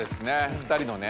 ２人のね